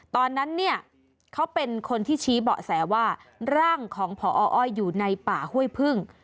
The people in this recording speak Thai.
ตอนนั้นเนี่ยเขาเป็นคนที่ชี้เบาะแสว่าร่างของพออ้อยอยู่ในป่าห้วยพึ่ง